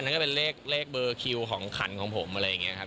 นั่นก็เป็นเลขเบอร์คิวของขันของผมอะไรอย่างนี้ครับ